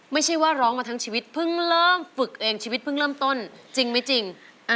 ไม่ใช่ว่าร้องมาทั้งชีวิตเพิ่งเริ่มฝึกเองชีวิตเพิ่งเริ่มต้นจริงไม่จริง